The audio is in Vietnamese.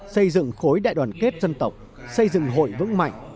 xây dựng khối đại đoàn kết dân tộc xây dựng hội vững mạnh